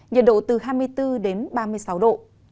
nhiệt độ từ hai mươi bốn đến ba mươi sáu độ